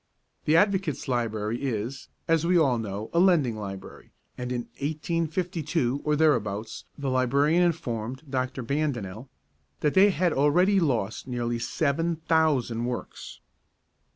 The Advocates' Library is, as we all know, a lending library, and in 1852, or thereabouts, the librarian informed Dr. Bandinel that they had already lost nearly seven thousand works.